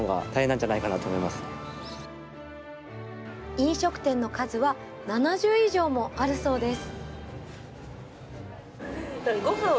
飲食店の数は７０以上もあるそうです。